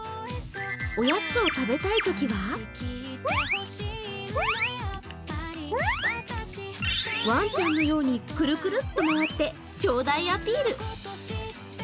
おやつを食べたいときはわんちゃんのようにくるくるっと回ってちょうだいアピール。